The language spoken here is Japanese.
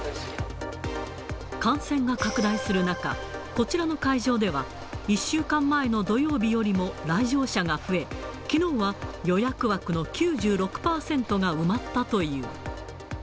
感染が拡大する中、こちらの会場では、１週間前の土曜日よりも来場者が増え、きのうは予約枠の９６％が埋まったという。